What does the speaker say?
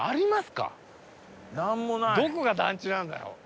どこが団地なんだよ。